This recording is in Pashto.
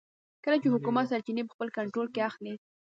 کله چې حکومت سرچینې په خپل کنټرول کې اخلي.